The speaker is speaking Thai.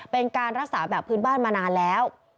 เป็นการรักษาแบบพื้นบ้านมานานแล้ว